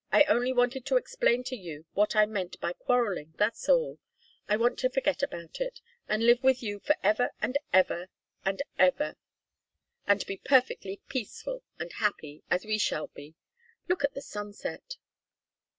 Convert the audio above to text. I only wanted to explain to you what I meant by quarrelling, that's all. I want to forget all about it, and live with you forever and ever, and ever, and be perfectly peaceful and happy as we shall be. Look at the sunset.